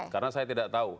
karena saya tidak tahu